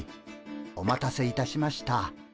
お待たせいたしました。